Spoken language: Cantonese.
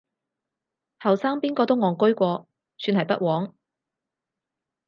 後生邊個都戇居過，算係不枉